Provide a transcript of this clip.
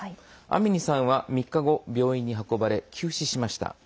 アミニさんは３日後病院に運ばれ、急死しました。